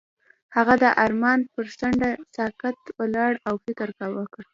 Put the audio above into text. هغه د آرمان پر څنډه ساکت ولاړ او فکر وکړ.